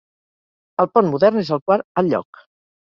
El pont modern és el quart al lloc.